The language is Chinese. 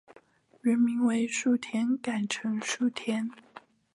原姓为薮田改成薮田。